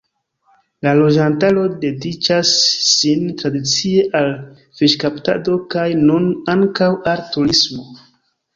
La loĝantaro dediĉas sin tradicie al fiŝkaptado kaj nun ankaŭ al turismo.